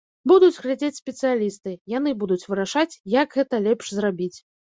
Будуць глядзець спецыялісты, яны будуць вырашаць, як гэта лепш зрабіць.